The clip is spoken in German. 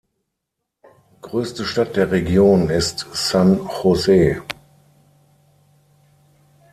Größte Stadt der Region ist San Jose.